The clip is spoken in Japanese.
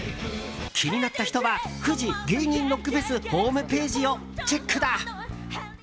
気になった人はフジ芸人ロックフェスホームページをチェックだ！